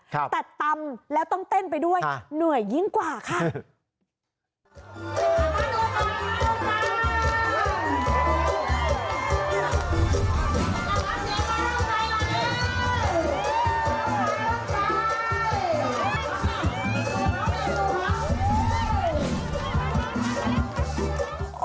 แต่ตำแล้วต้องเต้นไปด้วยเหนื่อยยิ่งกว่าค่ะ